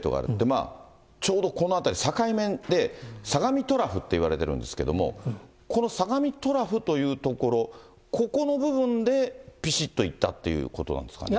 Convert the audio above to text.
まあ、ちょうどこの辺り、境目で、相模トラフっていわれてるんですけど、この相模トラフという所、ここの部分でぴしっといったということなんですかね。